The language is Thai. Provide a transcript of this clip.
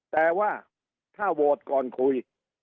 แต่ว่าถ้าโหวตก่อนคุย